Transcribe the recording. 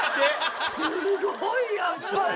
すごいやっぱり。